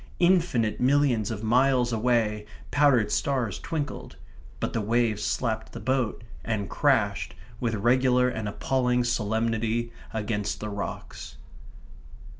Infinite millions of miles away powdered stars twinkled; but the waves slapped the boat, and crashed, with regular and appalling solemnity, against the rocks.